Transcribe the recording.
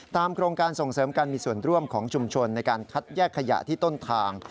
โครงการส่งเสริมการมีส่วนร่วมของชุมชนในการคัดแยกขยะที่ต้นทาง